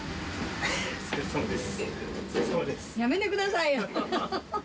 やめてくださいよ。